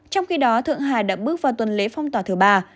trong khi đó thượng hải đã bước vào tuần lễ phong tỏa thứ ba